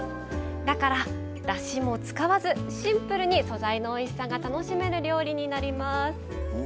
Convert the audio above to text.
だから、だしも使わずシンプルに素材のおいしさが楽しめる料理になります。